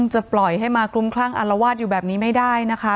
จะปล่อยให้มาคลุมคลั่งอารวาสอยู่แบบนี้ไม่ได้นะคะ